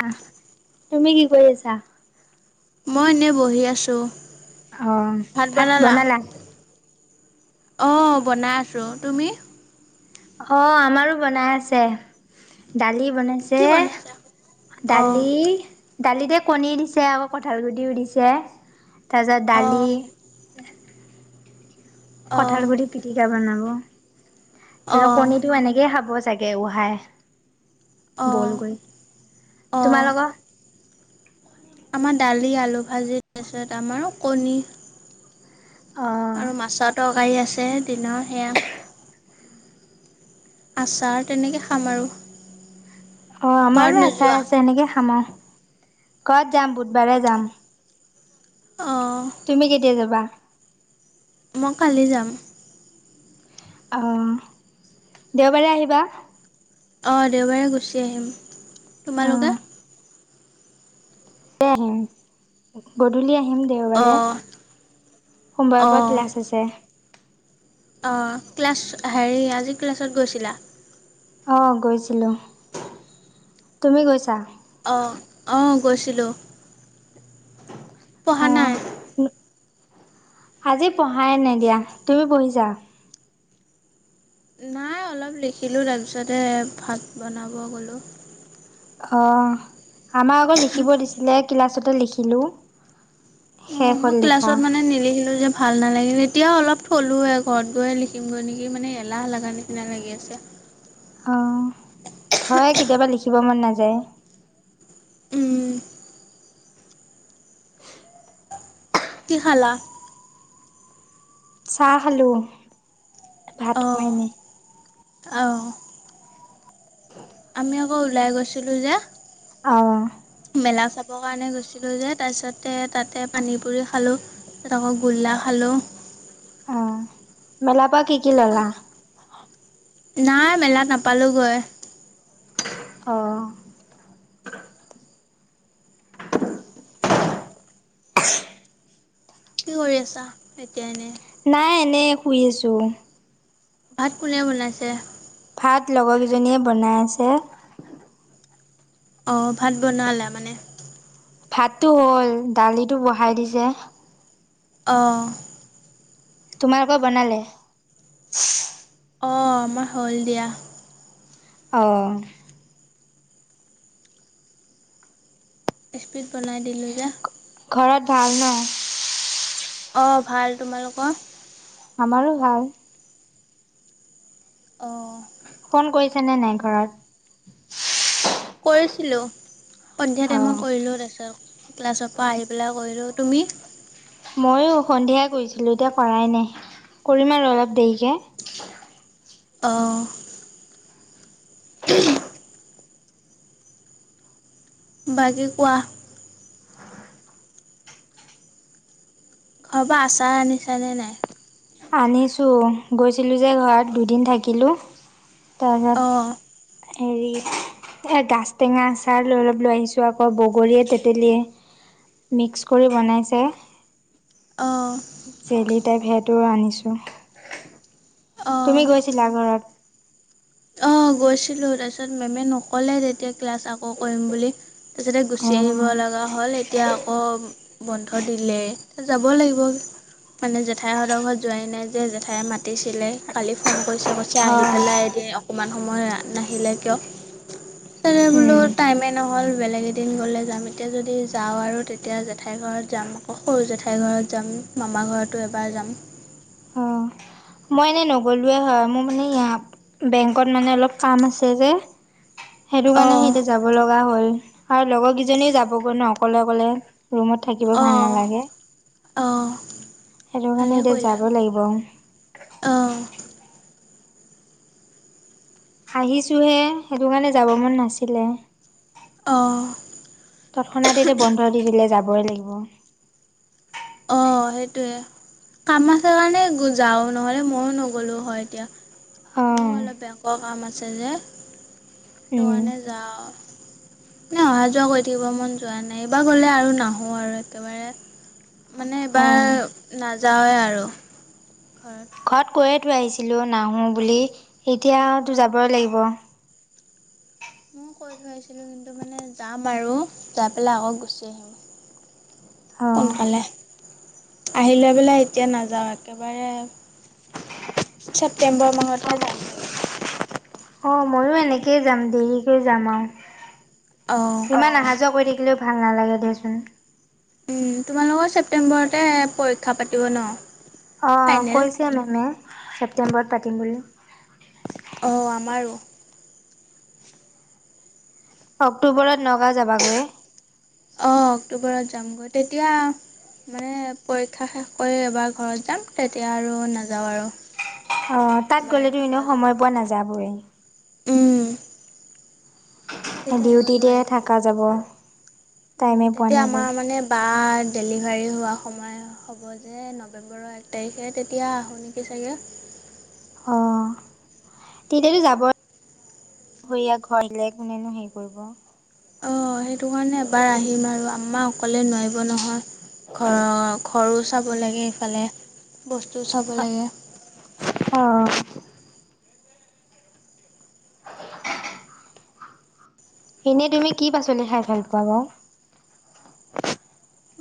না তুমি কি কৰি আছা? মই এনেই বহি আছোঁ। ভাত বনালা? অঁ বনাই আছোঁ। তুমি? অ' আমাৰো বনাই আছে। দালি বনাইছে কি বনাইছা? অ' দালি দালিতে কণী দিছে, আকৌ কঠাল গুটিও দিছে, তাৰপিছত দালি অ' কঁঠাল অ' গুটি পিটিকা বনাব, তাৰপিছত অ' কণীটো এনেকেই খাব চাগে উহাই অ' বইল কৰি, অ' তোমালোকৰ? আমাৰ দালি, আলু ভাজি, তাৰপিছত আমাৰো কণী। অ', আৰু মাছৰ তৰকাৰী আছে দিনৰ সেয়া। আচাৰ তেনেকৈ খাম আৰু। অ' ঘৰত আমাৰো নোযোৱা? আচাৰ আছে এনেকে খাম আৰু। ঘৰত যাম বুধবাৰে যাম। অঁ। তুমি কেতিয়া যাবা? মই কালি যাম। অ, দেওবাৰে আহিবা? অ, দেওবাৰে গুচি আহিম। অ', তোমালোকে? আহিম গধূলি আহিম দেওবাৰে অ' সোমবাৰৰ পৰা অ' ক্লাছ আছে। [inaudible] অ, ক্লাছ হেৰি আজি ক্লাছত গৈছিলা? অ গৈছিলোঁ তুমি গৈছা? অ, অ, গৈছিলোঁ। অ, পঢ়া নাই? আজি পঢ়াই নাই দিয়া তুমি পঢ়িছা? নাই অলপ লিখিলোঁ তাৰপিছতে ভাত বনাব গ'লোঁ। অ, আমাৰ আগত লিখিব দিছিলে ক্লাছতে লিখিলোঁ। অ, শেষ হ'ল মই লিখা ক্লাছত মানে নিলিখিলো যে ভাল নালাগিল এতিয়াও অলপ থলোৱে ঘৰত গৈ লিখিম গৈ নেকি মানে এলাহ লাগা নিচিনা লাগি আছে। অঁ, হয় কেতিয়াবা লিখিব মন নাযায়। উম, কি খালা? চাহ খালো। অ, অ। আমি আকৌ ওলাই গৈছিলোঁ যে অ। মেলা চাবৰ কাৰণে গৈচিলো যে তাৰ পিছতে তাতে পানী পুৰি খালোঁ। [unintelligible] আকৌ গোল্লা খালোঁ। অ, মেলা পা কি কি ল'লা? নাই মেলাত নাপালোঁগৈ। অ। [inaudible] কি কৰি আছা? এতিয়া এনে। নাই এনেই শুই আছোঁ। ভাত কোনে বনাইছে? ভাত লগৰ কেইজনীয়ে বনাই আছে। অ, ভাত বনালে মানে? ভাতটো হ'ল দালিটো বহাই দিছে। অ। তোমালোক বনালে? অ, আমাৰ হ'ল দিয়া। অ। ইস্পিড বনাই দিলোঁ যে। ঘৰত ভাল ন'? অ, ভাল তোমালোক? আমাৰো ভাল। অ। ফোন কৰিছা নে নাই ঘৰত? কৰিছিলো সন্ধ্যা টাইমত অ', কৰিলো তাৰপিছত ক্লাছৰ পৰা আহি পেলাই কৰিলোঁ, তুমি? ময়ো সন্ধিয়াই কৰিছিলোঁ এতিয়া কৰাই নাই, কৰিম আৰু অলপ দেৰিকৈ। অ। বাকী কোৱা। ঘৰৰ পৰা আচাৰ আনিছানে নাই? আনিছো গৈছিলো যে ঘৰত দুদিন থাকিলোঁ, অঁ তাৰপিছত হেৰি গাছ টেঙা আচাৰ লৈ অলপ লৈ আহিছোঁ আকৌ বগৰীয়ে তেতেলীয়ে মিক্স কৰি বনাইছে। অঁ। জেলি টাইপ সেইটো আনিছো অঁ তুমি গৈছিলা ঘৰত? অ, গৈছিলো তাৰপিছত মেমে নকলে তেতিয়া ক্লাছ আকৌ কৰিম বুলি। তাৰপিছতে গুচি আহিব অ', লগা হ'ল এতিয়া আকৌ বন্ধ দিলেই, যাব লাগিব। মানে জেঠাই হতৰ ঘৰত যোৱাই নাই যে, জেঠায়ে মাতিছিলে কালি ফোন কৰিছে। কৈ ছে আহি হয়। পেলাই এদিন অকণমান সময় নাহিলে কিয়? বোলো উম টাইমেই নহ'ল বেলেগ এদিন গ'লে যাম এতিয়া যদি যাওঁ আৰু তেতিয়া জেঠাই ঘৰত যাম। সৰু জেঠাইৰ ঘৰত যাম মামা ঘৰতো এবাৰ যাম। অ'। মই এনেই নগ'লোৱেই হয় মোৰ মানে ইয়াত বেংকত মানে অলপ কাম আছে যে, সেইটো কাৰণে অ', সিতিয়া যাব লগা হ'ল আৰু লগৰ কেইজনীও যাবগৈ ন অকলে অকলে ৰুমত থাকিব ভাল অ', নালাগে অ', সেইটো কাৰণে এতিয়া যাব লাগিব অঁ হাঁহিছোঁহে সেইটো কাৰণে যাব মন নাছিলে অঁ তৎক্ষণাত এতিয়া বন্ধ দি দিলে যাবই লাগিব অ সেইটোৱে কাম আছে কাৰণে যাও নহলে ময়ো নগ'লো হয় এতিয়া মোৰ অ', অলপ বেংকৰ কাম আছে যে ত উম। কাৰণে যাওঁ আৰু এ অহা যোৱা কৰি থাকিব মন যোৱা নাই এইবাৰ গ'লে আৰু নাহোঁ আৰু একেবাৰে মানে অ', এইবাৰ নাযাওঁৱেই আৰু ঘৰত ঘৰত কৈয়তো আহিছিলোঁ নাহোঁ বুলি এতিয়াতো ময়ো যাবই লাগিব ময় কৈ থৈছিলোঁ কিন্তু মানে যাম আৰু যাই পেলাই আকৌ গুচি আহিম অ', সোনকালে আহি লৈ পেলাই এতিয়া নাযাওঁ একেবাৰে ছেপ্টেম্বৰ মাহতহে যাম চাগৈ অঁ ময়ো এনেকৈয় যাম দেৰিকৈ যাম আৰু অঁ ইমান অহা যোৱা কৰি থাকিলেও ভাল নালাগে দেচোন তোমালোকৰ ছেপ্টেম্বৰতে পৰীক্ষা পাতিব ন অঁ ফাইনেল কৈছে মেমে ছেপ্টেম্বৰত পাতিম বুলি অ আমাৰো অক্টোবৰত নগাঁও যাবাগৈ অঁ অক্টোবৰত যামগৈ তেতিয়া মানে পৰীক্ষা শেষ কৰি এবাৰ ঘৰত যাম তেতিয়া আৰু নাযাওঁ আৰু অ তাত একেবাৰে গ'লেতো এনেও নগাঁও সময় যামগৈ পোৱা নাযাবয়ে উম তেতিয়া আহিব ডিউটিতে নোৱাৰিম থাকা যাব উম টাইমে পোৱা তেতিয়া নাযায় আমাৰ মানে বা ডেলিভাৰী হোৱা সময় হ'ব হ'ব যে নৱেম্বৰৰ এক তাৰিখে তেতিয়া আহোঁ নেকি চাগে অ তেতিয়াতো যাব সৰয়া ঘৰ দিলে কোনেনো হেৰি কৰিব অঁ সেইটো কাৰণে এবাৰ আহিম আৰু আমা অকলে নোৱাৰিব নহয় ঘৰৰ ঘৰো চাব লাগে ইফালে বস্তু চাব লাগে অ এনেই তুমি কি পাচলি খাই ভাল পোৱা বাও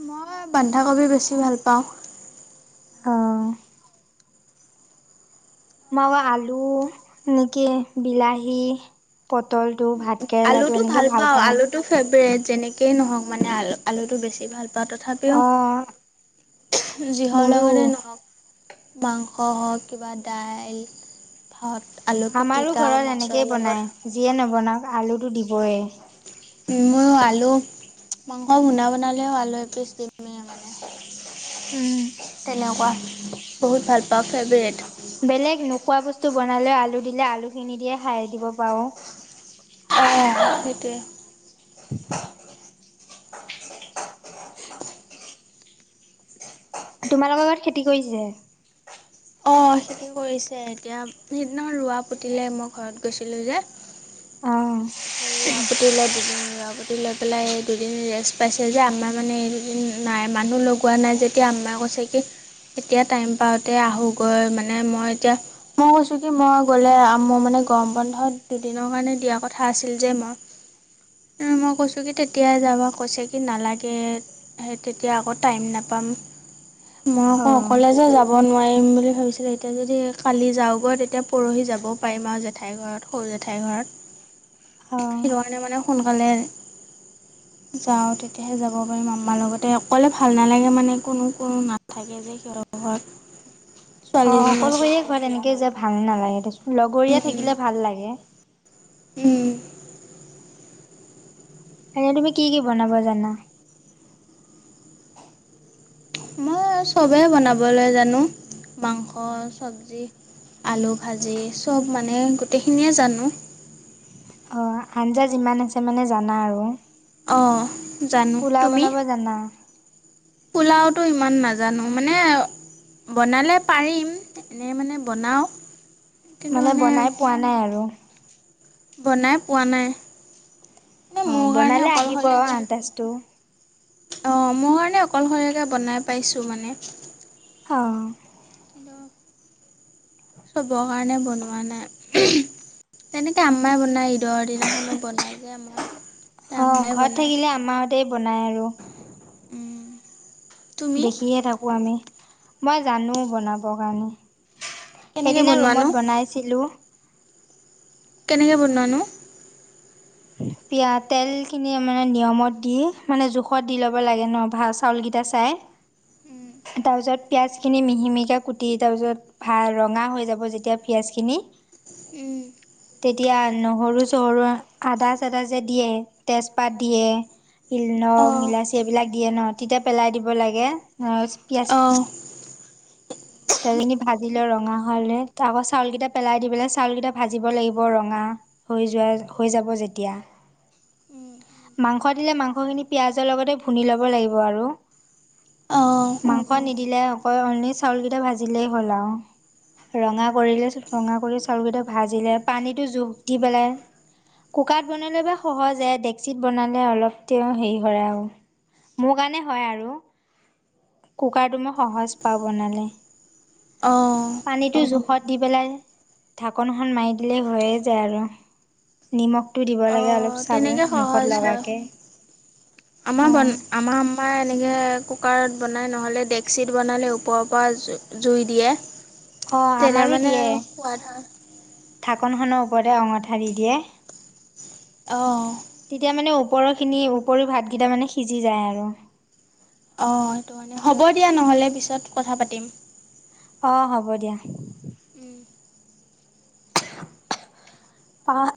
মই বন্ধাকবি বেছি ভাল পাওঁ অ, মাৰা আলু নেকি বিলাহী পটল টো ভাত কেৰেলাটো এনেকে ভাল পাওঁ। ফেভট যেনেক নক মানে আলুটো বেছি ভাল বা তথাপিও অ যিহৰ লগতে মোৰো নহওক, মাংস হওক কিবা দাইল, ভাত আলু আমাৰো পিটিকা ঘৰত মাছৰ এনেকেই লগত বনাই যিয়ে নবনাওক আলুটো দিবই। উ, ময়ো আলু মাংস বুধা বনালেও আলু এপিচ দিমে। উম, তেনেকুৱা বহুত ভাল পাওঁ ফেভৰেট। বেলেগ নোখোৱা বস্তু বনালে আলু দিলে আলু খিনি দিয়ে খাই দিব পাৰো। অ, সেইটোৱে। [inaudible] তোমালোকৰ লগত খেতি কৰিছিলে? অ, খেতি কৰিছে, এতিয়া সিদিনা ৰোৱা পুতিলে মই ঘৰত গৈছিলোঁ যে, অ', ৰোৱা পুটিলে দুদিন আগত, পুটি লৈ পেলাই দুদিন ৰেষ্ট পাইছে যে, আমাৰ মানে এই দুদিন নাই মানুহ লগোৱা নাই যে এতিয়া আম্মাই কৈছে কি এতিয়া টাইম পাওঁতে আহোঁগৈ মানে মই এতিয়া মই কৈছো কি মই গ'লে মোৰ মানে গৰম বন্ধত দুদিনৰ কাৰণে দিয়া হয় কথা আছিল যে মই মই কৈছোঁ কি তেতিয়া যাব কৈছে কি নালাগে, সেই তেতিয়া আকৌ টাইম নাপাম, মই আকৌ অ', অকলে যে যাব নোৱাৰিম বুলি ভাবিছিলো, এতিয়া যদি কালি যাওঁগৈ তেতিয়া পৰহি যাবও পাৰিম মাজু জেঠাই ঘৰত সৰু জেঠাই ঘৰত। অ', সেই কাৰণে মানে সোনকালে যাওঁ তেতিয়াহে যাব পাৰিম আম্মাৰ লগতে অকলে ভাল নালাগে মানে কোনো কোনো নাথাকে। [inaudible] অ, এজনী আছে অকলশৰীয়া তাকো ঘৰত বিয়া তেনেকে হ'ল যে ভাল নালাগে, লগৰীয়া উম থাকিলে ভাল লাগে। উম, এ তুমি কি কি বনাব জানা? মই চবেই বনাবলৈ জানো মাংস চব্জি আলু ভাজি চব মানে গোটেইখিনিয়ে জানো। অ, আঞ্জা যিমান আছে মানে জানা আৰু? অ, জানো, পোলাও তুমি? বনাব জানা? পোলাওতো ইমান নাজানো মানে বনালে পাৰিম, এনেই মানে বনাওঁ, মানে বনাই পোৱা নাই আৰু। বনাই পোৱা নাই। মানে অ, মোৰ কাৰণে বনালে আহিব আন্তাজটো। অ, মই হ'লে অকলশৰীয়কৈ বনাই পাইছোঁ মানে। অ, চবৰ কাৰণে বনোৱা নাই। তেনেকে আমাই বনাই ঈদৰ দিনাখনো বনাই যে অম্মাই। অ, ঘৰত থাকিলে আম্মাহতে বনাই আৰু। উম, তুমি দেখিয়ে থাকোঁ আমি মই জানো বনাবৰ কাৰণে। কেনেকৈ সেইদিনা বনোৱানো ৰুমত বনাইছিলোঁ। কেনেকৈ বনোৱা নু? পিয়া তেলখিনি মানে নিয়মত দি মানে জোখত দি ল'ব লাগে ন ভাল চাউলকেইটা চাই। [inaudible] তাৰ পিছত পিয়াজ খিনি মিহি মিহিকে কুটি, তাৰ পিছত ভাল ৰঙা হৈ যাব যেতিয়া পিয়াজ খিনি উম তেতিয়া নহৰু চহৰু, আদা চদা যে দিয়ে তেজপাত দিয়ে লং, অঁ ইলাচি এইবিলাক দিয়ে ন তেতিয়া পেলাই দিব লাগে অঁ তেনেকেই ভাজি লৈ ৰঙা হ'লে তাকো চাউল কেইটা পেলাই দি পেলাই চাউল কেইটা ভাজিব লাগিব ৰঙা হৈ যোৱা হৈ যাব যেতিয়া মাংস দিলে মাংসখিনি পিঁয়াজৰ লগতে ভুনি ল'ব লাগিব আৰু অঁ মাংস নিদিলে অকল অনলি চাউল কেইটা ভাজিলেই হ'ল আৰু ৰঙা কৰিলেচোন ৰঙা কৰি চাউলকেইটা ভাজিলে পানীটো জোখ দি পেলাই কুকাৰত বনালে বা সহজে ডেকচিত বনালে অলপ তেওঁ হেৰি হয় আৰু মোৰ কাৰণে হয় আৰু কুকাৰটো মই সহজ পাওঁ বনালে অঁ পানীটো জোখত দি পেলাই ঢাকনখন মাৰি দিলে হৈয়ে যায় আৰু নিমখটো দিব লাগে অঁ অলপ চাবোন তেনেকৈ মুখত সহজ হয় লগাকৈ আমাৰ বন আমাৰ আম্মাই এনেকৈ কুকাৰত বনায় নহ'লে ডেকচিিত বনালে ওপৰৰ পৰা জ জুই দিয়ে অ', তেতিয়া আমাৰো মানে দিয়ে আৰু সোৱাদ হয় ঢাকনখনৰ ওপৰতে অঙঠা দি দিয়ে অঁ তেতিয়া মানে ওপৰৰ খিনি ওপৰিও ভাতকেইটা মানে সিজি যায় আৰু অঁ সেইটো কাৰণে হ'ব দিয়া নহ'লে পিছত কথা পাতিম অঁ হ'ব দিয়া উওম পাঁচ